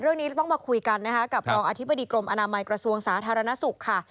เรื่องนี้จะต้องมาคุยกันนะคะกับรองอธิบดีกรมอนามัยกระทรวงสาธารณสุขค่ะ